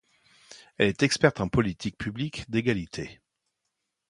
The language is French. Elle est experte en politique publique d'égalité.